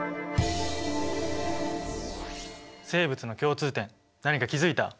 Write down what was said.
生物の共通点何か気付いた？